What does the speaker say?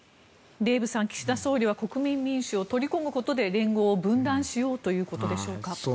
デーブさん、岸田総理は国民民主を取り込むことで連合を分断しようということでしょうか？